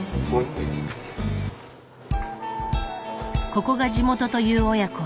ここが地元という親子。